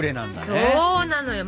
そうなのよ。